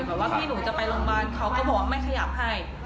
ว่าพี่หนูจะไปโรงพยาบาลเขาก็บอกว่าไม่ขยับให้